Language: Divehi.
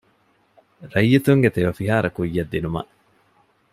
ރައްޔިތުންގެ ތެޔޮފިހާރަ ކުއްޔަށް ދިނުމަށް